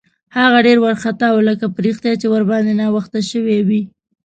هغه ډېر وارخطا و، لکه په رښتیا چې ورباندې ناوخته شوی وي.